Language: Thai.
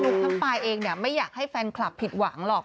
ทั้งปายเองไม่อยากให้แฟนคลับผิดหวังหรอก